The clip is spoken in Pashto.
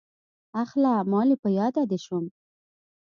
اخله مالې په ياده دې شوم.